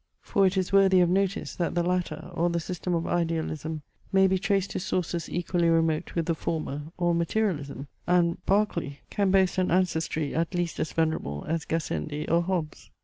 For it is worthy of notice, that the latter, or the system of Idealism may be traced to sources equally remote with the former, or Materialism; and Berkeley can boast an ancestry at least as venerable as Gassendi or Hobbes.